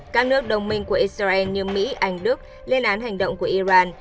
các nước đồng minh của israel như mỹ anh đức lên án hành động của iran